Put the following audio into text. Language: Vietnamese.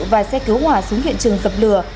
và xe cứu hỏa xuống hiện trường gập lửa